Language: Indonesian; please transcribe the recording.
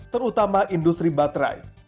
terutama industri baterai